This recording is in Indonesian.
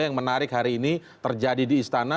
yang menarik hari ini terjadi di istana